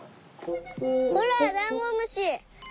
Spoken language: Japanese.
ほらダンゴムシ！